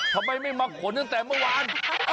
ทำไมไม่มาขนตั้งแต่เมื่อวาน